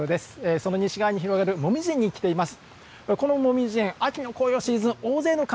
その西側に広がるもみじ苑に来ています。